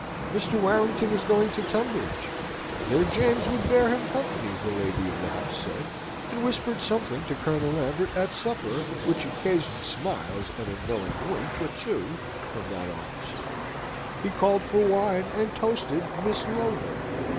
Mr. Warrington was going to Tunbridge? Their James would bear him company, the lady of the house said, and whispered something to Colonel Lambert at supper, which occasioned smiles and a knowing wink or two from that officer. He called for wine, and toasted "Miss Lowther."